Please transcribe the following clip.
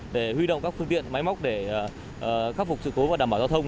để huy động các phương tiện máy móc để khắc phục sự cố và đảm bảo giao thông